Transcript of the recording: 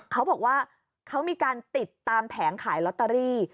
เขาบอกว่าเขามีการติดตามแผงขายลอตเตอรี่